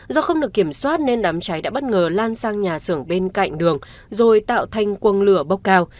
do không được kiểm soát nên đám cháy đã bất ngờ lan sang nhà xưởng bên cạnh đường rồi tạo thành quân lửa bốc cao